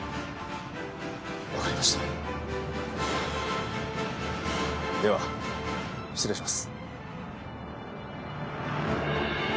分かりました、では、失礼します。